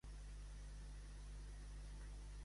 Quan va marxar de la Telefónica?